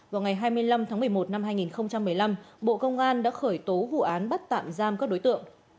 vào ngày hai mươi năm tháng một mươi một năm hai nghìn một mươi năm bộ công an đã khởi tố vụ án bắt tạm giam các đối tượng